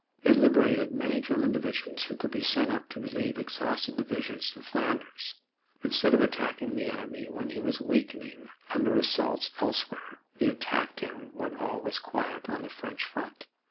It liberated many German divisions who could be sent up to relieve exhausted divisions in Flanders. Instead of attacking the enemy when he was weakening under assaults elsewhere, we attacked him when all was quiet on the French front.